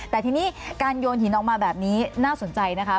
แต่ทีนี้การโยนหินออกมาแบบนี้น่าสนใจนะคะ